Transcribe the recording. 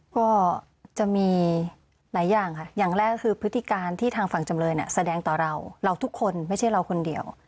ก็จะมีหลายอย่างค่ะอย่างแรกก็คือพฤติการที่ทางฝั่งจำเลยแสดงต่อเราเราทุกคนไม่ใช่เราคนเดียว